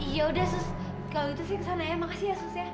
yaudah sus kalau gitu saya kesana ya makasih ya sus ya